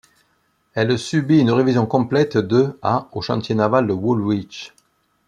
Elle subit une révision complète de à aux chantiers navals de Woolwich.